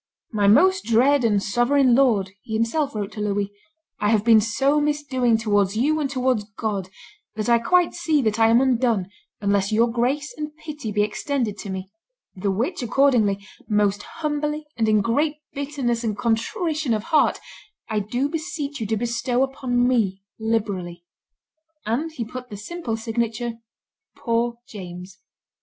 "My most dread and sovereign lord," he himself wrote to Louis, "I have been so misdoing towards you and towards God that I quite see that I am undone unless your grace and pity be extended to me; the which, accordingly, most humbly and in great bitterness and contrition of heart, I do beseech you to bestow upon me liberally;" and he put the simple signature, "Poor James."